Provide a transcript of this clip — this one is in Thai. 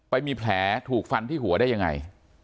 ไปมีแผลถูกฟันที่หัวได้ยังไง